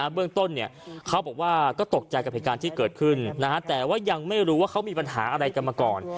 แล้วเรื่องต้นเนี่ยเขาบอกว่าก็ตกใจกับพิการที่เกิดขึ้นนะฮะแต่ว่ายังไม่รู้ว่าเขามีปัญหาอะไรกันมาก่อน